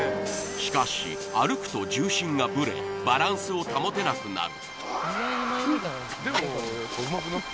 しかし歩くと重心がぶれバランスを保てなくなる